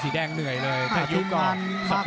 สิงงาวินมาเต็งฝ่ายน้ำเงิน